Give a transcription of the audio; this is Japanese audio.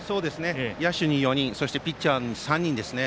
野手に４人ピッチャーに３人ですね。